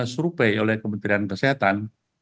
survei oleh kementerian kesehatan